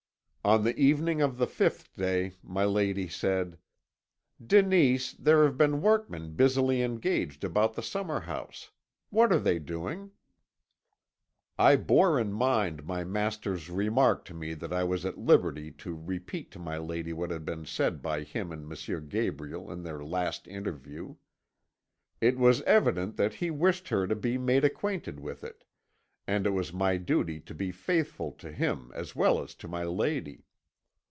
"On the evening of the fifth day my lady said: "'Denise, there have been workmen busily engaged about the summer house. What are they doing?' "I bore in mind my master's remark to me that I was at liberty to repeat to my lady what had been said by him and M. Gabriel in their last interview. It was evident that he wished her to be made acquainted with it, and it was my duty to be faithful to him as well as to my lady.